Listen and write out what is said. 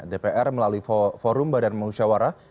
dpr melalui forum badan musyawarah